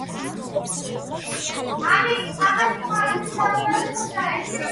მის შესახებ ცნობებს შეიცავს შიო მღვიმელის მეტაფრასული „ცხოვრებაც“.